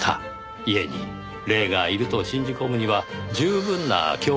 家に霊がいると信じ込むには十分な恐怖体験です。